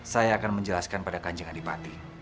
saya akan menjelaskan pada kanjeng adipati